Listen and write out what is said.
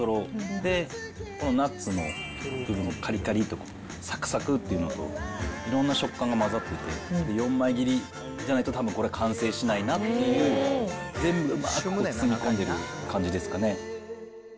で、このナッツもかりかりとさくさくっていうのと、いろんな食感が混ざってて、４枚切りじゃないとたぶん、これは完成しないなっていう、全部がうまく包み込んでる感じですかね。